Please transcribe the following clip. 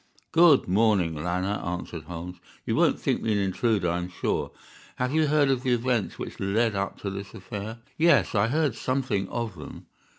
"Good morning, Lanner," answered Holmes; "you won't think me an intruder, I am sure. Have you heard of the events which led up to this affair?" "Yes, I heard something of them."